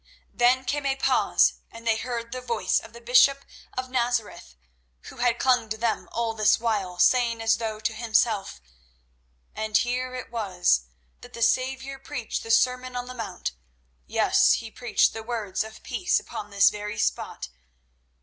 Then came a pause, and they heard the voice of the bishop of Nazareth, who had clung to them all this while, saying, as though to himself: "And here it was that the Saviour preached the Sermon on the Mount. Yes, He preached the words of peace upon this very spot.